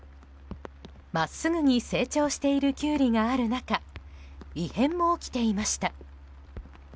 真っすぐに成長しているキュウリがある中異変も起きていました。